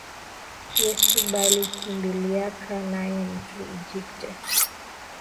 Yesu bali kimbiliaka naye mu egypte